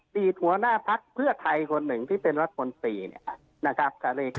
ตีดหัวหน้าภักดิ์เพื่อไทยคนหนึ่งที่เป็นรัฐผลตีนะครับ